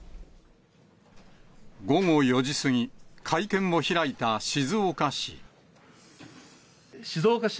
午後４時過ぎ、会見を開いた静岡市。